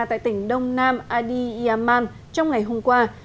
tại tỉnh đông nam ady yaman trong ngày hôm qua